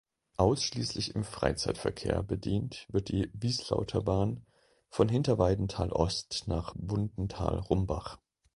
Ausschließlich im Freizeitverkehr bedient wird die Wieslauterbahn von Hinterweidenthal Ost nach Bundenthal-Rumbach.